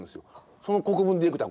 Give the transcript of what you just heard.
その国分ディレクター